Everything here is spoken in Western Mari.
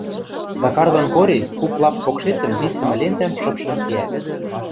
Сакар дон Кори куп лап покшецӹн висӹмӹ лентӓм шыпшын кеӓт.